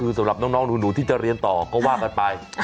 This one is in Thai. คือสำหรับน้องหนูที่จะเรียนต่อก็ว่ากันไป